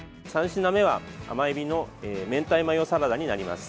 ３品目は、甘えびの明太マヨサラダになります。